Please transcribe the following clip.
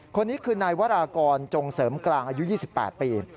คนนี้คือนายวรากรจงเสริมกลางอายุ๒๘ปี